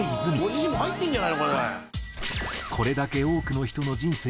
「ご自身も入ってるんじゃないの？」